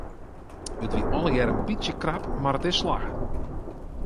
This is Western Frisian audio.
It wie allegear in bytsje krap mar it is slagge.